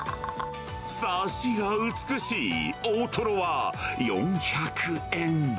さしが美しい大トロは４００円。